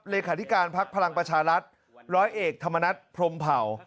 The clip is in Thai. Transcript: เลขาธิการพักพลังประชารัฐร้อยเอกธรรมนัฐพรมเผ่า